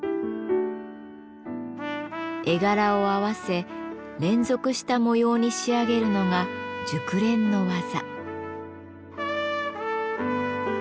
絵柄を合わせ連続した模様に仕上げるのが熟練の技。